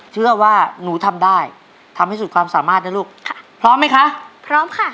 เชื่อว่าหนูทำได้ทำให้สุดความสามารถนะลูกค่ะพร้อมไหมคะพร้อมค่ะ